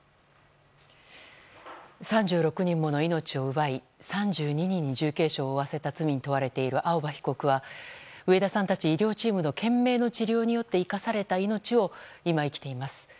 ３６人もの命を奪い３２人に重軽傷を負わせた罪に問われている青葉被告は、上田さんたち医療チームの懸命の治療によって生かされた命を今、生きています。